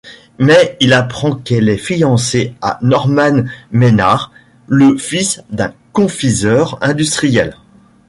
Mais il apprend qu'elle est fiancée à Norman Maynard, le fils d'un confiseur industriel.